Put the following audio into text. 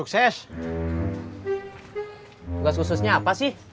ke maksa patricia nama pasti